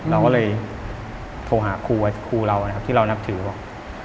เราก็เลยโทรหาครูเรานะครับที่เรานับถือบอก